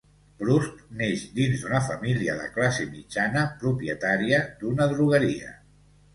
Proust neix dins d'una família de classe mitjana, propietària d'una drogueria.